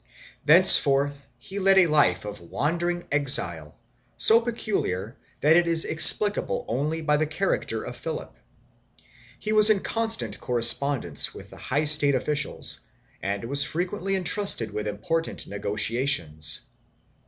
1 Thenceforth he led a life of wandering exile, so peculiar that it is explicable only by the character of Philip. He was in con stant correspondence with high state officials and was frequently entrusted with important negotiations.